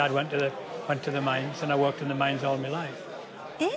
えっ！？